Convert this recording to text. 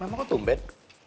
mama kok tumben